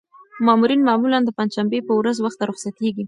مامورین معمولاً د پنجشنبې په ورځ وخته رخصتېږي.